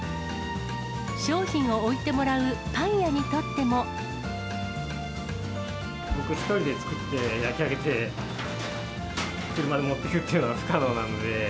商品を置いてもらうパン屋に僕一人で作って、焼き上げて、車で持っていくっていうのは不可能なんで。